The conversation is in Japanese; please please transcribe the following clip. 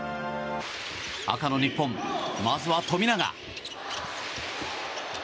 赤の日本、まずは富永。